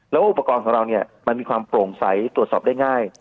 แล้วอุปกรณ์เรามันมีความโปร่งไซด์ตรวจสอบได้ง่าย